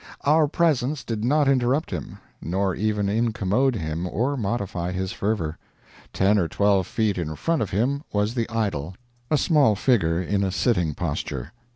Our presence did not interrupt him, nor even incommode him or modify his fervor. Ten or twelve feet in front of him was the idol, a small figure in a sitting posture.